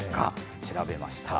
調べました。